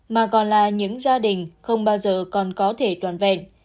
mà còn là những gia đình không bao giờ còn có thể toàn vẹn